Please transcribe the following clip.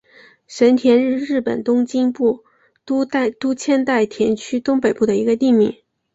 神田是日本东京都千代田区东北部的一个地名。